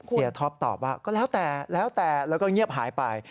เซียท็อปตอบว่าก็แล้วแต่แล้วก็เงียบหายไป